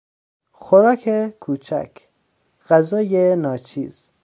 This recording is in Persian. خوراک کوچک، غذای ناچیز